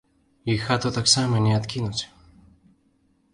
І хату таксама не адкінуць.